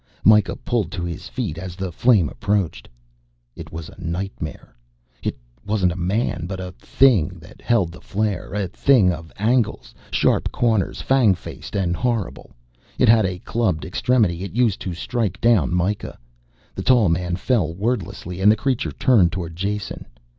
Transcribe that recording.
Mikah pulled to his feet as the flame approached. It was a nightmare. It wasn't a man but a thing that held the flare. A thing of angles, sharp corners, fang faced and horrible. It had a clubbed extremity it used to strike down Mikah. The tall man fell wordlessly and the creature turned towards Jason.